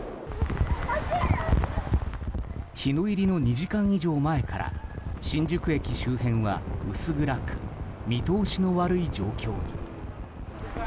日の入りの２時間以上前から新宿駅周辺は薄暗く見通しの悪い状況に。